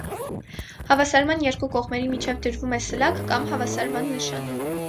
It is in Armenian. Հավասարման երկու կողմերի միջև դրվում է սլաք կամ հավասարման նշան։